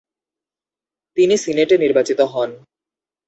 তিনি সিনেটে নির্বাচিত হন।